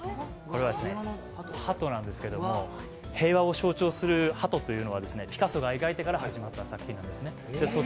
鳩なんですけど平和を象徴する鳩というのはピカソが描いてから始まった作品です。